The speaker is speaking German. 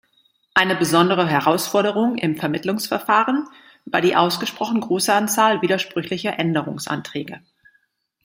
Eine besondere Herausforderung im Vermittlungsverfahren war die ausgesprochen große Anzahl widersprüchlicher Änderungsanträge.